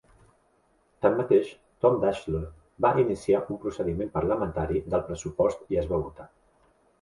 Tanmateix, Tom Daschle va iniciar un procediment parlamentari del pressupost i es va votar.